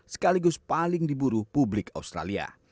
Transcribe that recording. sekaligus paling diburu publik australia